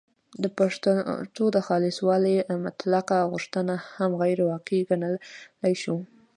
د پښتو د خالصوالي مطلقه غوښتنه هم غیرواقعي ګڼلای شو